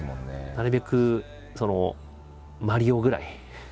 なるべくその「マリオ」ぐらい。